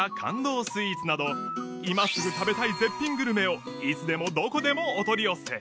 スイーツなど今すぐ食べたい絶品グルメをいつでもどこでもお取り寄せ